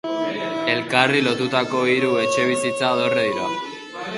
Elkarri lotutako hiru etxebizitza dorre dira.